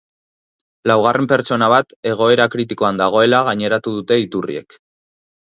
Laugarren pertsona bat egoera kritikoan dagoela gaineratu dute iturriek.